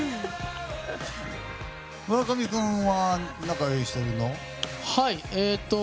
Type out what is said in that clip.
村上君は仲いい人いるの？